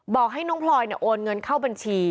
บอกให้น้องพลอยโอนเงินเข้าบัญชี